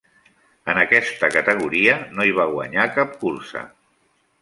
En aquesta categoria no hi va guanyar cap cursa.